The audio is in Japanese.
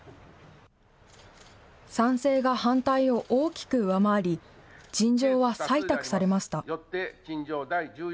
賛成が反対を大きく上回り、陳情は採択されました。